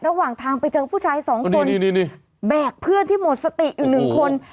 ระหว่างทางไปเจอผู้ชายสองคนแบกเพื่อนที่หมดสติอยู่หนึ่งคน